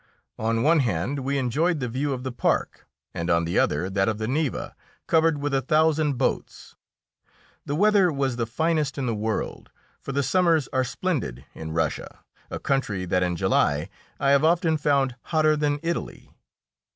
On one hand we enjoyed the view of the park, and on the other that of the Neva, covered with a thousand boats. The weather was the finest in the world, for the summers are splendid in Russia, a country that in July I have often found hotter than Italy.